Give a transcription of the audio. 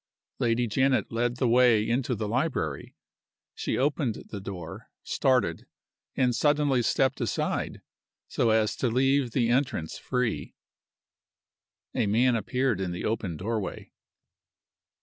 Lady Janet led the way into the library. She opened the door started and suddenly stepped aside, so as to leave the entrance free. A man appeared in the open doorway.